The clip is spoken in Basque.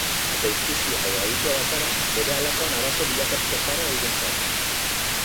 Eta ikusia edo aditua bazara, berehalakoan arazo bilakatuko zara eurentzat.